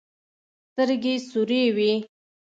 سترګې سورې وې.